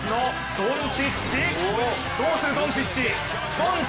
どうする、ドンチッチ。